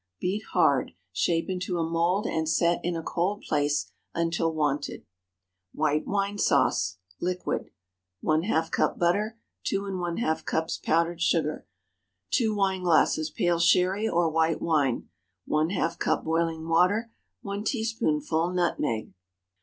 Beat hard—shape into a mould and set in a cold place until wanted. WHITE WINE SAUCE (liquid.) ✠ ½ cup butter. 2½ cups powdered sugar. 2 wineglasses pale Sherry or white wine. ½ cup boiling water. 1 teaspoonful nutmeg.